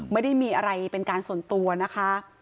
ไม่ได้มีอะไรเป็นการส่วนตัวนะคะ